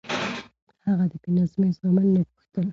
هغه د بې نظمي زغمل نه غوښتل.